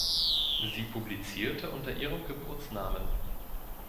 Sie publizierte unter ihrem Geburtsnamen.